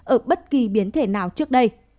ở bất kỳ biến thể nào trước đây